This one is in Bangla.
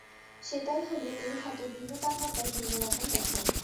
সেটাই হলে, এই ধাতু ভিন্ন তাপমাত্রায় ভিন্ন রকম দেখায়।